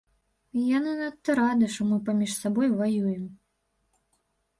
І яны надта рады, што мы паміж сабой ваюем.